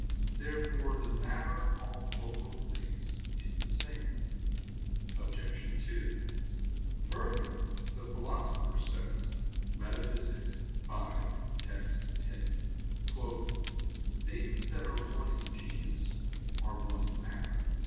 Therefore the matter of all corporeal things is the same. Obj. 2: Further, the Philosopher says (Metaph. v, text. 10): "Things that are one in genus are one in matter."